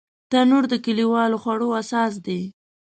تنور د کلیوالو خوړو اساس دی